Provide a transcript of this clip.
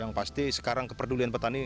yang pasti sekarang kepedulian petani